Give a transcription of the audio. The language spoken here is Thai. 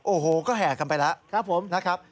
โอ้โหก็แห่กันไปแล้วนะครับ